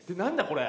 これ。